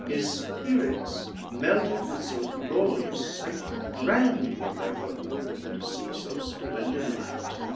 His fpirits, melted with fo glorious fight. Ran from their worke to fee fo fplendid light.